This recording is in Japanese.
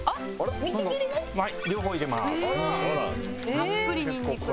たっぷりニンニクだ。